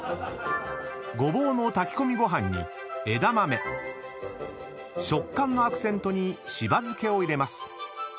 ［ごぼうの炊き込みご飯に枝豆食感のアクセントに柴漬けを入れます］